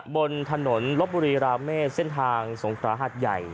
บนถนนลบบุรีราเมษเส้นทางสงคราหัดใหญ่